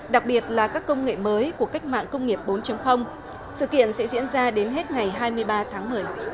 đặc biệt là các công nghệ mới của cách mạng công nghiệp bốn sự kiện sẽ diễn ra đến hết ngày hai mươi ba tháng một mươi